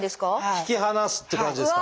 引き離すって感じですか。